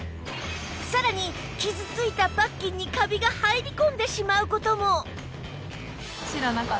さらに傷ついたパッキンにカビが入り込んでしまう事も